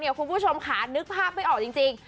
คุณผู้ชมค่ะนึกภาพไม่ออกจริง